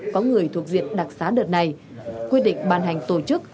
có người thuộc diện đặc sá đợt này quyết định bàn hành tổ chức